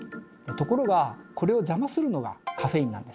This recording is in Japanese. ところがこれを邪魔するのがカフェインなんです。